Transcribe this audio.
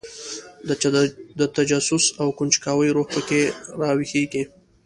د تجسس او کنجکاوۍ روح په کې راویښېږي.